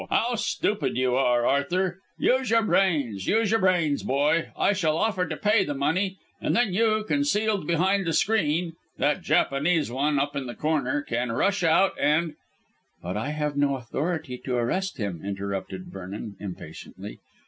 How stupid you are, Arthur. Use your brains, use your brains, boy. I shall offer to pay the money, and then you, concealed behind the screen that Japanese one up in the corner can rush out and " "But I have no authority to arrest him," interrupted Vernon impatiently.